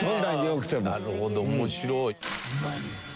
なるほど面白い。